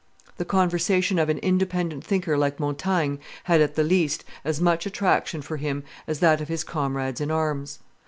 The conversation of an independent thinker like Montaigne had, at the least, as much attraction for him as that of his comrades in arms.